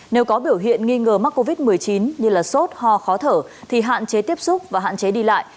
nếu có biểu hiện nghi ngờ mắc covid một mươi chín như sốt ho khó thở thì hạn chế tiếp xúc và hạn chế đi lại